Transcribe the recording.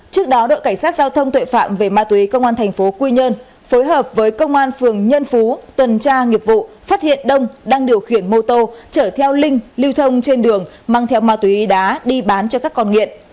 trước đó đội cảnh sát giao thông tuệ phạm về ma túy công an thành phố quy nhơn phối hợp với công an phường nhân phú tuần tra nghiệp vụ phát hiện đông đang điều khiển mô tô chở theo linh lưu thông trên đường mang theo ma túy đá đi bán cho các con nghiện